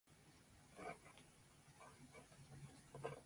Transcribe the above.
はやくねたい。